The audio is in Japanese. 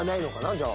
じゃあ。